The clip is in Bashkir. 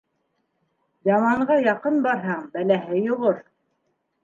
Яманға яҡын барһаң, бәләһе йоғор.